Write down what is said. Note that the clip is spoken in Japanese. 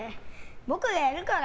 僕がやるから。